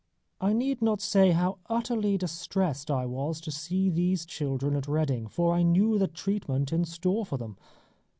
I need not say how utterly distressed I was to see these children at Reading, for I knew the treatment in store for them.